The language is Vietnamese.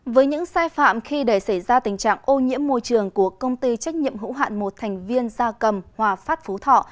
với những sai phạm khi để xảy ra tình trạng ô nhiễm môi trường của công ty trách nhiệm hữu hạn một thành viên gia cầm hòa phát phú thọ